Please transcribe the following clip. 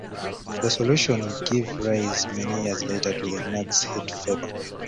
The solution would give rise many years later to the Nag's Head Fable.